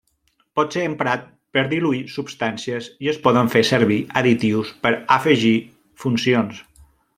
Pot ser emprat per diluir substàncies i es poden fer servir additius per afegir funcions.